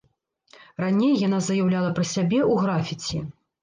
Раней яна заяўляла пра сябе ў графіці.